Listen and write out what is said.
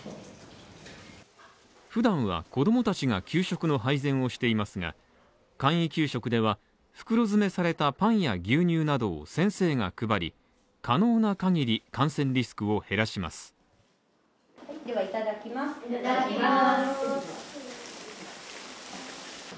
普段は子どもたちが給食の配膳をしていますが簡易給食では袋づめされたパンや牛乳などを先生が配り可能なかぎり感染リスクを減らしますではいただきます